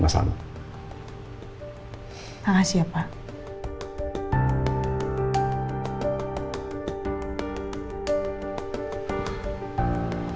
terima kasih ya pak